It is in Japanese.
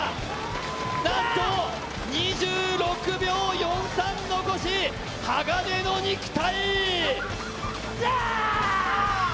なんと、２６秒４３残し、鋼の肉体。